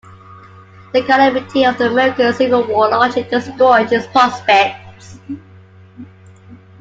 The calamity of the American Civil War largely destroyed his prospects.